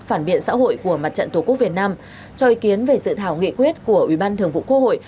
phản biện xã hội của mặt trận tổ quốc việt nam cho ý kiến về dự thảo nghị quyết của ủy ban thường vụ quốc hội